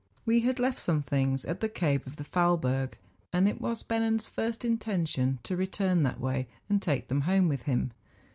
We had left some things at tlie cave of the Faulberg; and it was Bennen's first intention to re¬ turn that way and take them home with him.